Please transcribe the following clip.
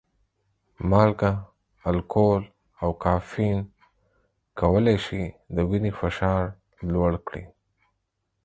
مالګه، الکول او کافین کولی شي د وینې فشار لوړ کړي.